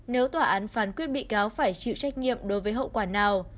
nếu tòa án phán quyết bị cáo phải chịu trách nhiệm đối với hậu quả nào